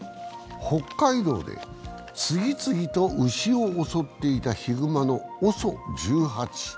北海道で次々と牛を襲っていたヒグマのＯＳＯ１８。